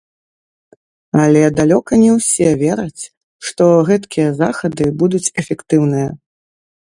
Але далёка не ўсе вераць, што гэткія захады будуць эфектыўныя.